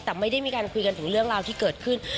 แต่ไม่ได้มีการคุยกันถึงเรื่องราวที่เกิดขึ้น